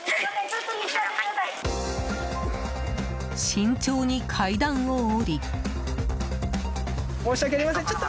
慎重に階段を下り。